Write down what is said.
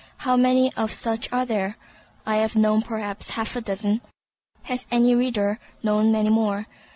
How many of such are there? I have known perhaps half a dozen. Has any reader known many more?